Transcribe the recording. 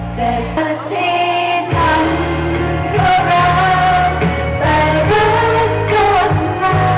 จะปฏิทำของเราแปลรักก็ทหาร